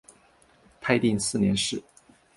泰定四年事。